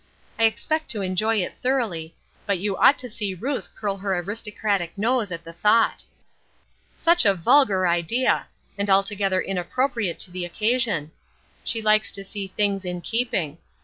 I expect to enjoy it thoroughly, but you ought to see Ruth curl her aristocratic nose at the thought. "'Such a vulgar idea! and altogether inappropriate to the occasion. She likes to see things in keeping.